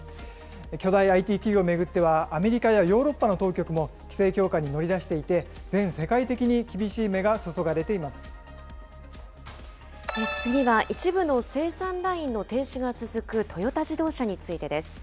巨大ＩＴ企業を巡っては、アメリカやヨーロッパの当局も、規制強化に乗り出していて、全世界的に次は、一部の生産ラインの停止が続くトヨタ自動車についてです。